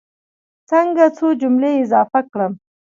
څنګه څو جملې اضافه کړم.